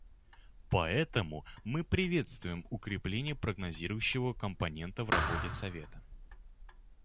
Поэтому мы приветствуем укрепление прогнозирующего компонента в работе Совета.